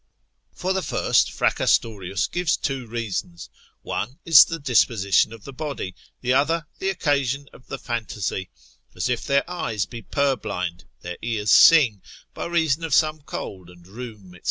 For the first, Fracastorius gives two reasons: One is the disposition of the body; the other, the occasion of the fantasy, as if their eyes be purblind, their ears sing, by reason of some cold and rheum, &c.